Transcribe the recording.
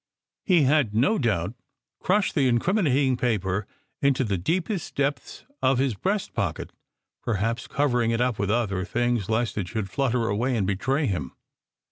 He had, no doubt, crushed the incriminating paper into the deepest depths of his breast pocket, perhaps covering it up with other things lest it should flutter away 294 SECRET HISTORY and betray him.